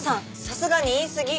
さすがに言いすぎ！